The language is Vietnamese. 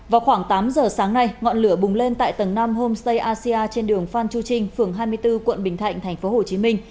vào khoảng tám giờ sáng nay ngọn lửa bùng lên tại tầng năm homestay asia trên đường phan chu trinh phường hai mươi bốn quận bình thạnh tp hcm